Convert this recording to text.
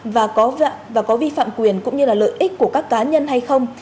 và có vi phạm quyền cũng như là lợi ích của các cá nhân hay không